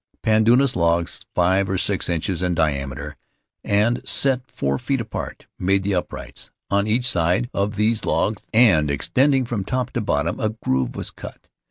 "Pandanus logs, five or six inches in diameter and set four feet apart, made the uprights. On each side [52 1 Marooned on Mataora of these logs, and extending from top to bottom, a groove was cut.